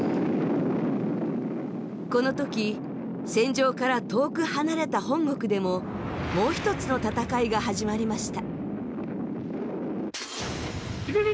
この時戦場から遠く離れた本国でももうひとつの戦いが始まりました。